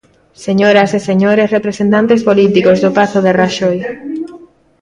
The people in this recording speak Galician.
Señoras e Señores representantes políticos do Pazo de Raxoi.